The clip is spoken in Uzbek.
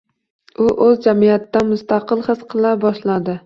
u o‘zini jamiyatdan mustaqil his qila boshlashi